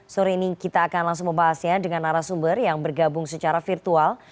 sore ini kita akan langsung membahasnya dengan arah sumber yang bergabung secara virtual